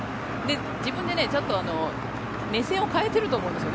自分でちゃんと目線を変えてると思うんですよね